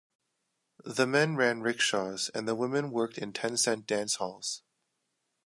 The men ran rickshaws and the women worked in ten-cent dance halls.